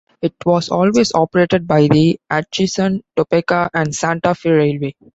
It was always operated by the Atchison, Topeka and Santa Fe Railway.